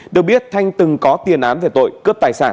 được biết thanh từng có tiền án về tội cướp tài sản